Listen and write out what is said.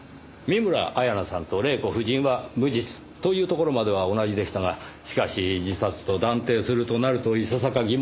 見村彩那さんと玲子夫人は無実というところまでは同じでしたがしかし自殺と断定するとなるといささか疑問が残ってしまいます。